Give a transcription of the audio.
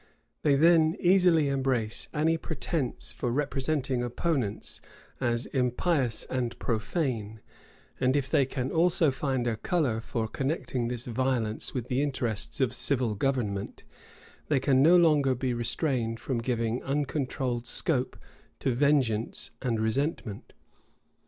They then easily embrace any pretense for representing opponents as impious and profane; and if they can also find a color for connecting this violence with the interests of civil government, they can no longer be restrained from giving uncontrolled scope to vengeance and resentment.